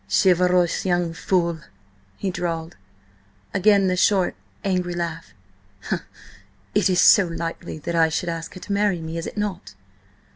"Chivalrous young fool," he drawled. Again the short, angry laugh. "It is so likely that I should ask her to marry me, is it not?